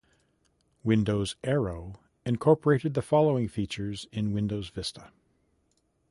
Windows Aero incorporated the following features in Windows Vista.